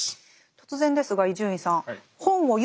突然ですが伊集院さん。はい。